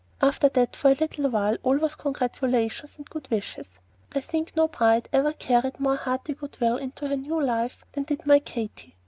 After that for a little while all was congratulations and good wishes. I think no bride ever carried more hearty good will into her new life than did my Katy.